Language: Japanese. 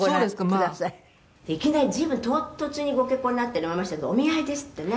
「いきなり随分唐突にご結婚になったように思いましたけどお見合いですってね」